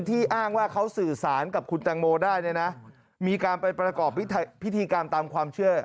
อ้างว่าเขาสื่อสารกับคุณแตงโมได้เนี่ยนะมีการไปประกอบพิธีกรรมตามความเชื่อ